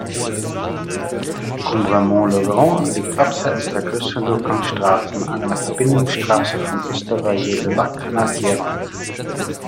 Combremont-le-Grand liegt abseits der grösseren Durchgangsstrassen an einer Verbindungsstrasse von Estavayer-le-Lac nach Thierrens.